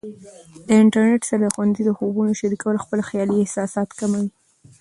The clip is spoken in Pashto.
د انټرنیټ سره د ښوونځي د خوبونو شریکول خپل خالي احساسات کموي.